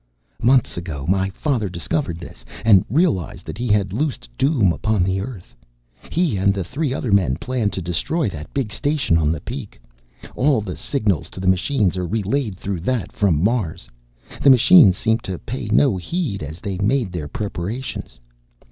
"Months ago my father discovered this, and realized that he had loosed doom upon the earth. He and the three other men planned to destroy that big station on the peak. All the signals to the machines are relayed through that, from Mars. The machines seemed to pay no heed as they made their preparations.